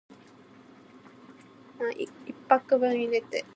From one point of view, that is a disadvantage of this proof.